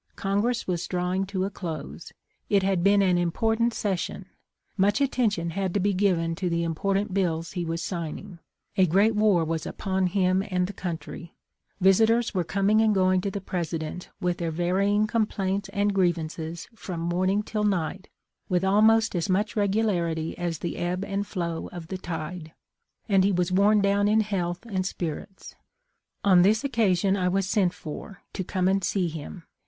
Con gress was drawing to a close ; it had been an impor tant session ; much attention had to be given to the important bills he was signing ; a great war was upon him and the country ; visitors were coming and going to the President with their varying com plaints and grievances from morning till night with almost as much regularity as the ebb and flow of the tide ; and he was worn down in health and spirits. On this occasion I was sent for, to come and see him.